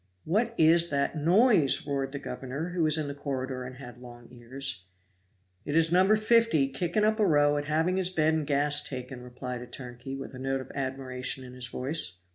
"What is that noise?" roared the governor, who was in the corridor and had long ears. "It is No. 50 kicking up a row at having his bed and gas taken," replied a turnkey, with a note of admiration in his voice.